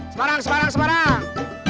semarang semarang semarang